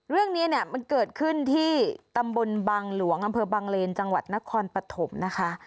เรื่องนี้เนี่ยมันเกิดขึ้นที่ตำบลบังหลวงอำเภอบังเลนจังหวัดนครปฐมนะคะ